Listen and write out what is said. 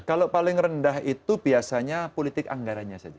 kalau paling rendah itu biasanya politik anggaranya saja